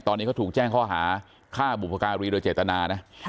ตอนนี้เขาถูกแจ้งข้อหาฆ่าบุพการีโดยเจตนานะ